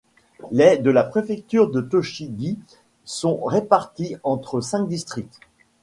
Les de la préfecture de Tochigi sont répartis entre cinq districts.